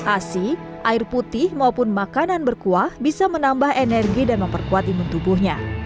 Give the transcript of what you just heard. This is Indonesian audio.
asi air putih maupun makanan berkuah bisa menambah energi dan memperkuat imun tubuhnya